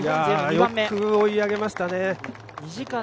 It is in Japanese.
よく追い上げましたね。